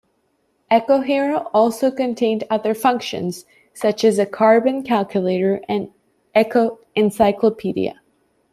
Ecohero also contained other functions, such as a carbon calculator and eco-encyclopedia.